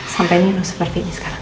sampai dulu seperti ini sekarang